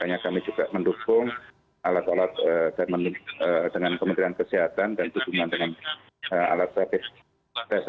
makanya kami juga mendukung alat alat dengan kementerian kesehatan dan hubungan dengan alat alat